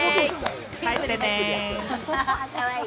帰ってね。